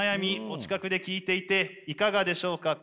お近くで聞いていていかがでしょうか。